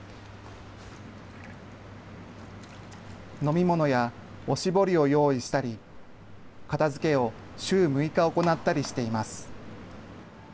飲み物やおしぼりを用意したり、片づけを週６日行ったりしています。